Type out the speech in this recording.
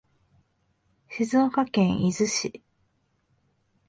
静岡県伊豆市